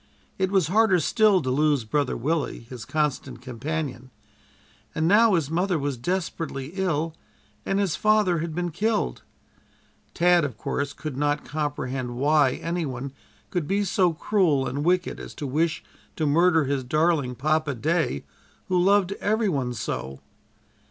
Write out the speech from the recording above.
It was harder still to lose Brother Willie, his constant companion, and now his mother was desperately ill, and his father had been killed. Tad, of course, could not comprehend why any one could be so cruel and wicked as to wish to murder his darling Papa day, who loved every one so!